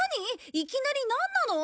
いきなりなんなの？